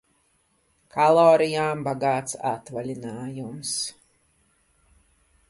Kalorijām bagāts atvaļinājums...